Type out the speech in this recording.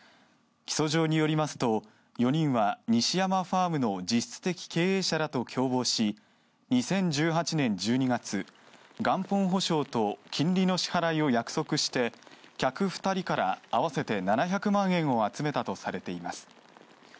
起訴状によりますと４人は西山ファームの実質的経営者らと共謀し２０１８年１２月、元本保証と金利の支払いを約束して客２人から合わせて７００万円を集めたとされています。